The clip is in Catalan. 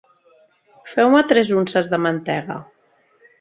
Feu-me tres unces de mantega.